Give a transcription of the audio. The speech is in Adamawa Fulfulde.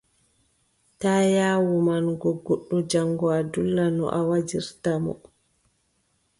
Taa yaawu manugo goɗɗo jaŋgo a dulla no a wajirta mo.